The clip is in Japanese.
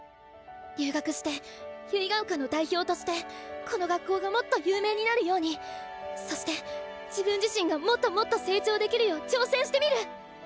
留学して結ヶ丘の代表としてこの学校がもっと有名になるようにそして自分自身がもっともっと成長できるよう挑戦してみる！